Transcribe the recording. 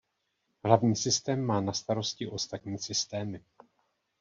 Hlavní systém má na starosti ostatní systémy.